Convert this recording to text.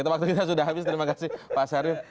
waktu kita sudah habis terima kasih pak syarif